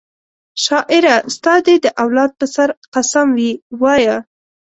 شاعره ستا دي د اولاد په سر قسم وي وایه